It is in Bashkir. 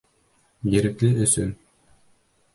Ерекле өсөн!